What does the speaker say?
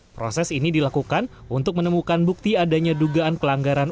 proses ini dilakukan untuk menemukan bukti adanya dugaan pelanggaran